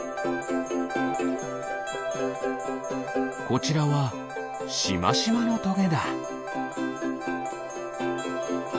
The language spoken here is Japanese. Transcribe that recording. こちらはしましまのトゲだ。